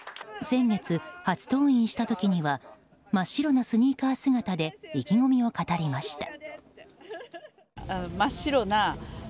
先月、初登院した時には真っ白なスニーカー姿で意気込みを語りました。